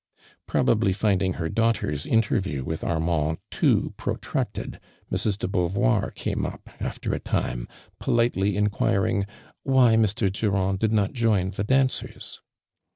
Probably finding her daughter's inter view with Armand too protracted, Mrs. do Boauvoir came uj) after a time, politely in quiring " why Mr . Durand did not join the dancers."